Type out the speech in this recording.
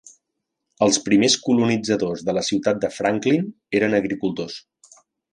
Els primers colonitzadors de la ciutat de Franklin eren agricultors.